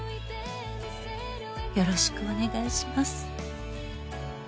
「よろしくお願いします」